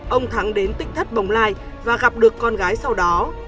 ông thắng đến tích thất bồng lai và gặp được con gái sau đó